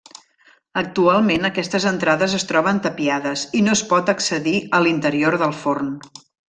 Actualment aquestes entrades es troben tapiades, i no es pot accedir a l'interior del forn.